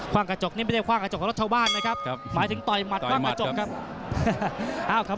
ว่างกระจกนี่ไม่ได้คว่างกระจกของรถชาวบ้านนะครับหมายถึงต่อยหมัดคว่างกระจกครับ